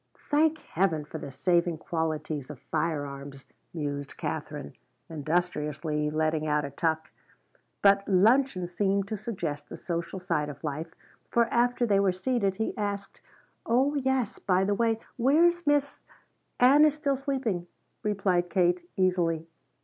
"Thank heaven for the saving qualities of firearms," mused Katherine, industriously letting out a tuck. But luncheon seemed to suggest the social side of life, for after they were seated he asked: "Oh yes, by the way, where's Miss " "Ann is still sleeping," replied Kate easily.